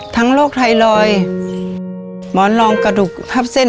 ทั้งโรคไทรลอยหมอนรองกระดุกทับเส้น